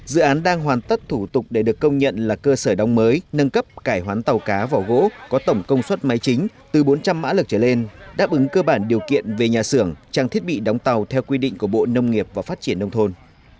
dự án đang hoàn tất thủ tục để được công nhận là cơ sở đóng mới nâng cấp cải hoán tàu cá vỏ gỗ có tổng công suất máy chính từ bốn trăm linh mã lực trở lên đáp ứng cơ bản điều kiện về nhà xưởng trang thiết bị đóng tàu theo quy định của bộ nông nghiệp và phát triển nông thôn